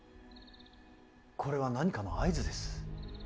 これは何かの合図です。